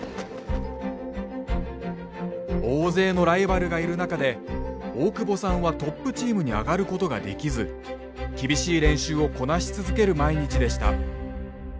大勢のライバルがいる中で大久保さんはトップチームに上がることができず厳しい練習をこなし続ける毎日でした。